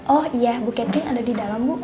oh iya bu ketin ada di dalam bu